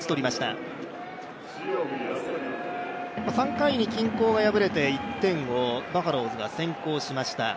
３回に均衡が破れて１点をバファローズが先行しました。